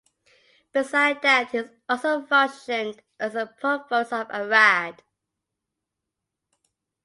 Beside that he also functioned as the provost of Arad.